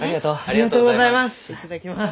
ありがとうございます！